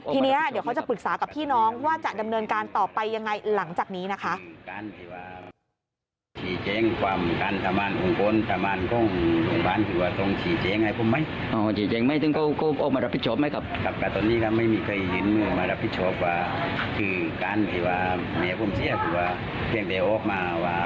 ทีนี้เดี๋ยวเขาจะปรึกษากับพี่น้องว่าจะดำเนินการต่อไปยังไงหลังจากนี้นะคะ